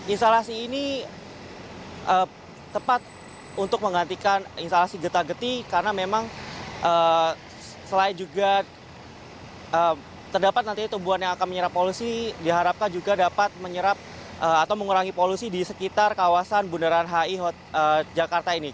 instalasi ini tepat untuk menggantikan instalasi geta geti karena memang selain juga terdapat nanti tumbuhan yang akan menyerap polusi diharapkan juga dapat menyerap atau mengurangi polusi di sekitar kawasan bundaran hi jakarta ini